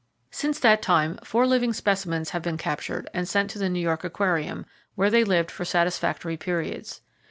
Since that time, four living specimens have been captured, and sent to the New York Aquarium, where they lived for satisfactory periods.